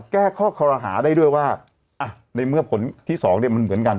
แก้ข้อคอรหาได้ด้วยว่าอ่ะในเมื่อผลที่สองเนี่ยมันเหมือนกัน